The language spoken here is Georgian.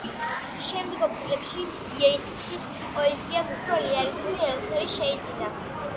შემდგომ წლებში იეიტსის პოეზიამ უფრო რეალისტური ელფერი შეიძინა.